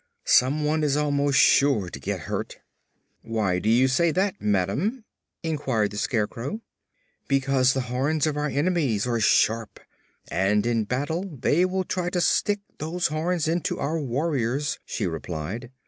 "Some one is almost sure to get hurt." "Why do you say that, madam?" inquired the Scarecrow. "Because the horns of our enemies are sharp, and in battle they will try to stick those horns into our warriors," she replied.